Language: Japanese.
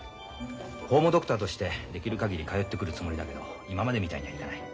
ホームドクターとしてできる限り通ってくるつもりだけど今までみたいにはいかない。